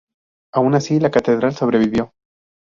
Aun así, la catedral sobrevivió.